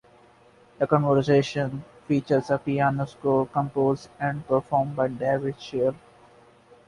"The Conversation" features a piano score composed and performed by David Shire.